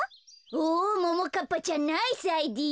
おももかっぱちゃんナイスアイデア。